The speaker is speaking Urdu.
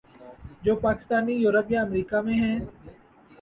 جو پاکستانی یورپ یا امریکا میں ہیں۔